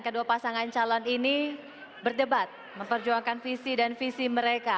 kedua pasangan calon ini berdebat memperjuangkan visi dan visi mereka